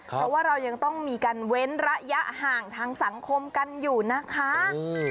เพราะว่าเรายังต้องมีการเว้นระยะห่างทางสังคมกันอยู่นะคะ